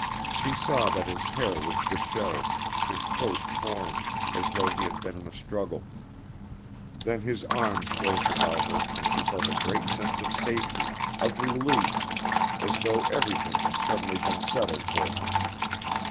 She saw that his hair was dishevelled, his coat torn, as though he had been in a struggle. Then his arms closed about her and she felt a great sense of safety, of relief, as though everything had suddenly been settled for her.